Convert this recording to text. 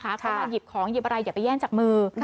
เขามาหยิบของหยิบอะไรอย่าไปแย่งจากมือ